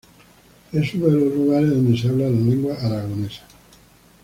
Es uno de los lugares donde se habla la lengua aragonesa.